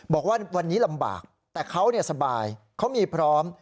บอกว่าวันนี้ลำบากแต่เขาสบายเขามีพร้อม